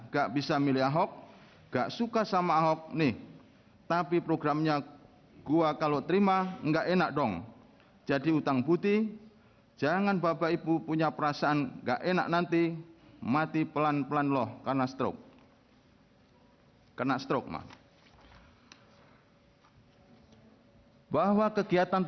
tidak kami bacakan dan dianggap terbacakan